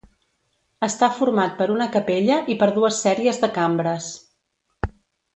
Està format per una capella i per dues sèries de cambres.